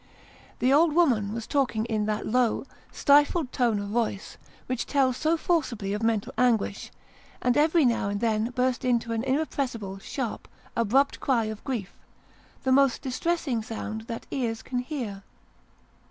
The old woman was talking in that low, stifled tone of voice which tells so forcibly of mental anguish ; and every now and then burst into an irrepressible sharp, abrupt cry of grief, the most distressing sound that ears can hear.